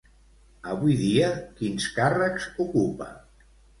Avui dia, quins càrrecs ocupa?